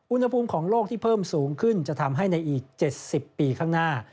อุณหภูมิของโลกที่เพิ่มสูงขึ้นจะทำให้ในอีก๗๐ปีข้างหน้า